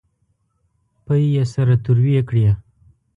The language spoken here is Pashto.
پۍ یې سره تروې کړې.